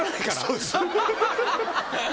そうです。